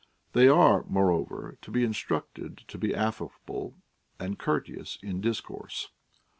They are, moreover, to be instructed to be affable and courteous in discourse.